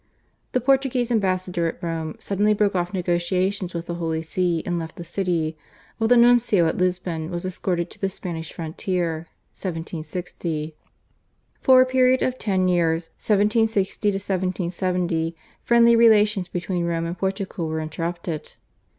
The Portuguese ambassador at Rome suddenly broke off negotiations with the Holy See and left the city, while the nuncio at Lisbon was escorted to the Spanish frontier (1760). For a period of ten years (1760 1770) friendly relations between Rome and Portugal were interrupted.